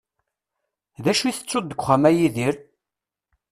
D acu i tettuḍ deg wexxam, a Yidir?